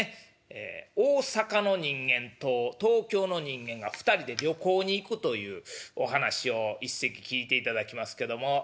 ええ大阪の人間と東京の人間が２人で旅行に行くというお噺を一席聴いていただきますけども。